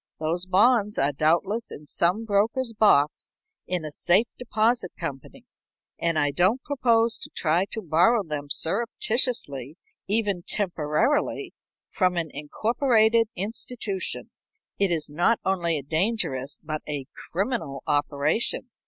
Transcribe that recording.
Those bonds are doubtless in some broker's box in a safe deposit company, and I don't propose to try to borrow them surreptitiously, even temporarily, from an incorporated institution. It is not only a dangerous but a criminal operation.